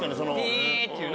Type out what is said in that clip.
ピーっていうね。